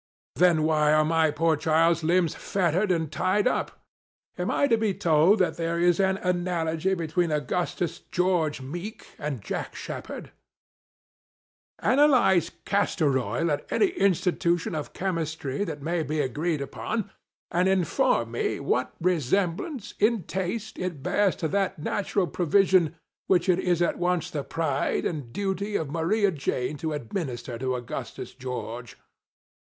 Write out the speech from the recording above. Then, why are my poor child's lunljs fettered and tied irp ? Am I to be told tliat there is any analogy between Au gustus George Meek, and .Jack Sheppsird ? Analyse Castor Oil at any Institution of Chemistry that may be agreed upon, and inform me what resemblance, in taste, it bears .to that natural provision which it is at once the pride and duty of Maria Jane, to admi nister to Augustus George